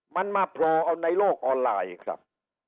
มันมาโผล่เอาในโลกออนไลน์ครับ